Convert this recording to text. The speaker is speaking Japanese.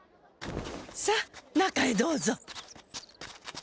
さあ中へどうぞ。